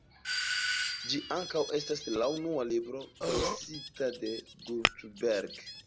Ĝi ankaŭ estas la unua libro presita de Gutenberg.